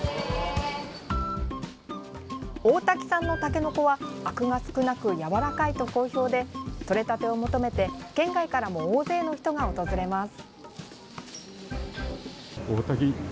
大多喜産のたけのこはあくが少なくやわらかいと好評でとれたてを求めて県外からも大勢の人が訪れます。